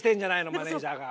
マネージャーが。